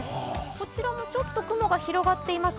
こちらもちょっと雲が広がっています。